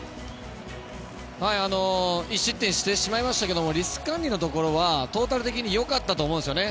１失点してしまいましたけどリスク管理のところはトータル的によかったと思うんですよね。